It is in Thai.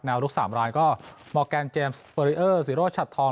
แนวลูกสามร้านก็มอร์แกนเจมสเฟอร์เรอร์สิโร่ชัดทอง